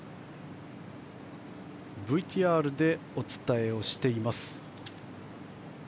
ＶＴＲでお伝えをしています。